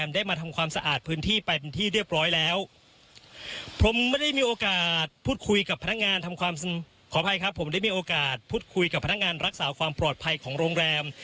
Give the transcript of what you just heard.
ได้มีโอกาสพูดคุยกับพนักงานรักษาความปลอดภัยของโรงแรม